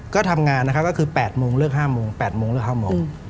ก็ทำงานนะครับก็คือ๘โมงเลือก๕โมง๘โมงเลือก๕โมง